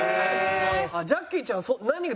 ジャッキーちゃん何が？